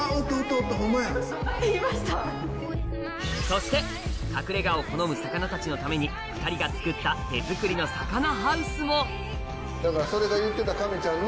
そして隠れ家を好む魚たちのために２人が作った手作りの魚ハウスもそれが言ってた。